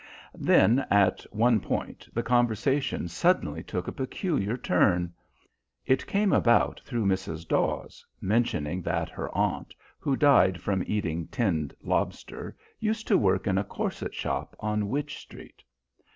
Then, at one point, the conversation suddenly took a peculiar turn. It came about through Mrs. Dawes mentioning that her aunt, who died from eating tinned lobster, used to work in a corset shop in Wych Street.